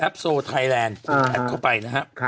แอปโซไทแรนด์แอปเข้าไปนะฮะ